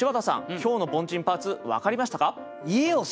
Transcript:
今日の凡人パーツ分かりましたか？